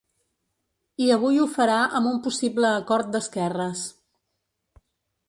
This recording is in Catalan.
I avui ho farà amb un possible acord d’esquerres.